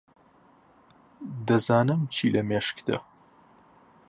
دەزانم چی لە مێشکتە.